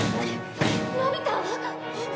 のび太？